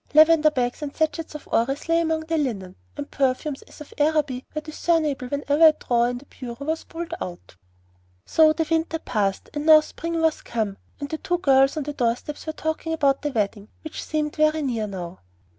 Lavender bags and sachets of orris lay among the linen; and perfumes as of Araby were discernible whenever a drawer in the bureau was pulled out. So the winter passed, and now spring was come; and the two girls on the doorsteps were talking about the wedding, which seemed very near now.